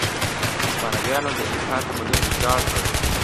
هسپانویانو د اینکا تمدن ویجاړ کړ.